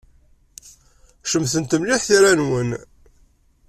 Cemtent mliḥ tira-nwen.